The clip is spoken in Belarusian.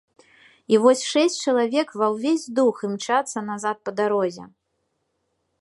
І вось шэсць чалавек ва ўвесь дух імчацца назад па дарозе.